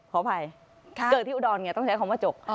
ขออภัยเกิดที่อุดรไงต้องใช้คำว่าจก